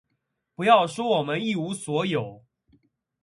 不要说我们一无所有，